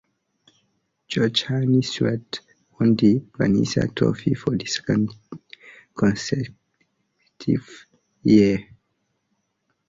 George Hainsworth won the Vezina Trophy for the second consecutive year.